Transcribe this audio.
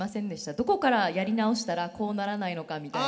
どこからやり直したらこうならないのかみたいな。